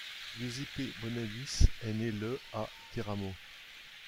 Giuseppe Bonolis est né le à Teramo.